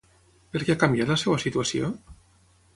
Per què ha canviat la seva situació?